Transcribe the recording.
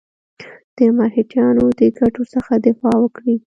د مرهټیانو د ګټو څخه دفاع وکړي.